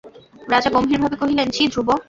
রাজা গম্ভীরভাবে কহিলেন, ছি ধ্রুব!